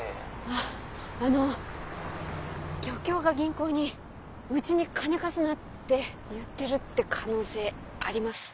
あっあの漁協が銀行にうちに金貸すなって言ってるって可能性あります？